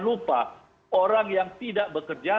lupa orang yang tidak bekerja